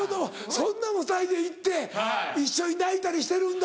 そんな２人で行って一緒に泣いたりしてるんだ。